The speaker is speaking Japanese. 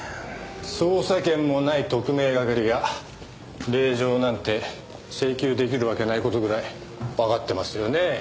捜査権もない特命係が令状なんて請求出来るわけない事ぐらいわかってますよね？